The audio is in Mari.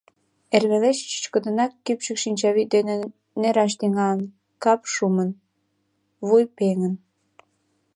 Эр велеш чӱчкыдынак кӱпчык шинчавӱд дене нӧраш тӱҥалын, кап шумын, вуй пеҥын.